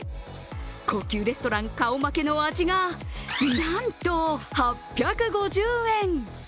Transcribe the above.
高級レストラン顔負けの味がなんと８５０円。